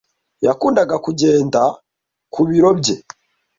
Yakundaga kugenda ku biro bye.